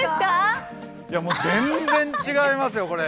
全然違いますよ、これ。